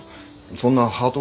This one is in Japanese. そんなハート